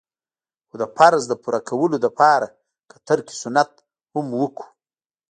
خو د فرض د پوره کولو د پاره که ترک سنت هم وکو.